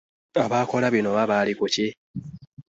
Abaakola bino oba baali ku ki!